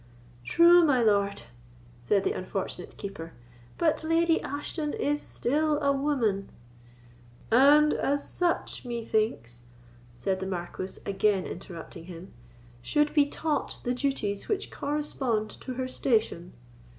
"True, my lord," said the unfortunate Keeper; "but Lady Ashton is still a woman——" "And, as such, methinks," said the Marquis, again interrupting him, "should be taught the duties which correspond to her station.